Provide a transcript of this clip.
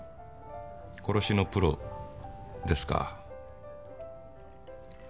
殺しのプロですか。